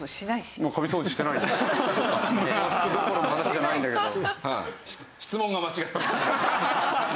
マスクどころの話じゃないんだけど。